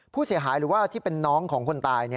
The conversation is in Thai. ผู้เสียหายหรือว่าที่เป็นน้องของคนตาย